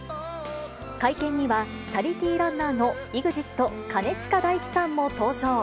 会見には、チャリティーランナーのＥＸＩＴ・兼近大樹さんも登場。